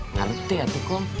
ngerti ya tukang